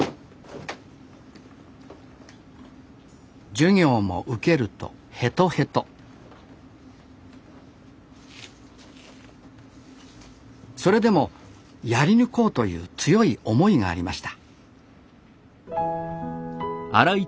授業も受けるとヘトヘトそれでもやり抜こうという強い思いがありました